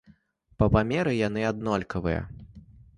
Па памеры яны аднолькавыя.